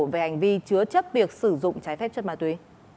về hành vi chứa chấp việc sử dụng trái phép chất ma túy